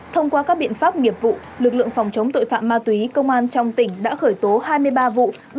thông qua các biện pháp nghiệp vụ lực lượng phòng chống tội phạm ma túy công an trong tỉnh đã khởi tố hai mươi ba vụ